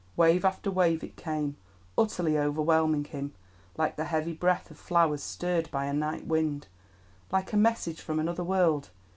Wave after wave it came, utterly overwhelming him, like the heavy breath of flowers stirred by a night wind—like a message from another world.